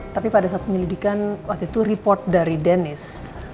tapi pada saat penyelidikan waktu itu report dari dennis